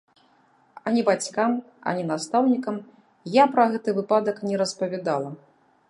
Ані бацькам, ані настаўнікам я пра гэты выпадак не распавядала.